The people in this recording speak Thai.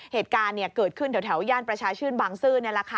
เหตุการณ์เกิดขึ้นแถวย่านประชาชื่นบางซื่อ